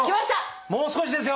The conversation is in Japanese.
もう少しですよ！